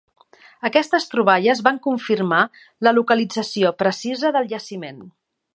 Aquestes troballes van confirmar la localització precisa del jaciment.